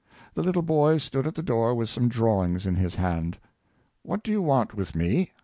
The little boy stood at the door with some drawings in his hand. "What do you want with me.